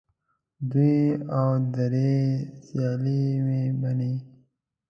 دوې او درې سیالې مې بنې